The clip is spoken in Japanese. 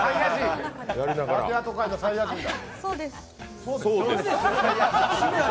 ラテアート界のサイヤ人だ。